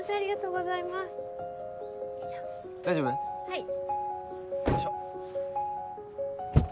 はい。